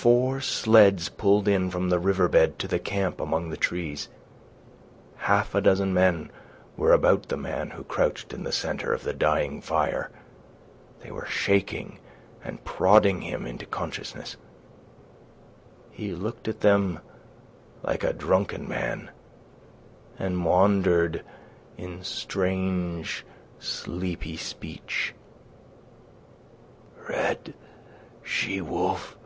Four sleds pulled in from the river bed to the camp among the trees. Half a dozen men were about the man who crouched in the centre of the dying fire. They were shaking and prodding him into consciousness. He looked at them like a drunken man and maundered in strange, sleepy speech. "Red she wolf.